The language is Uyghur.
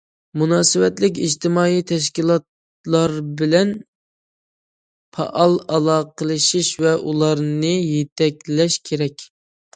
مۇناسىۋەتلىك ئىجتىمائىي تەشكىلاتلار بىلەن پائال ئالاقىلىشىش ۋە ئۇلارنى يېتەكلەش كېرەك.